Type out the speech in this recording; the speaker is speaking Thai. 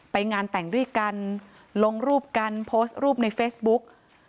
ไปงานแต่งด้วยกันลงรูปกันโพสต์รูปในเฟซบุ๊ก